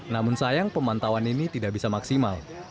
namun sayang pemantauan ini tidak bisa maksimal